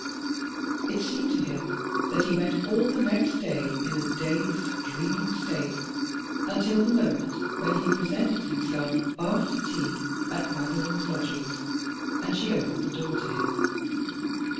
It seemed to him that he went all the next day in a dazed, dreaming state, until the moment when he presented himself, after tea, at Madeline's lodgings, and she opened the door to him.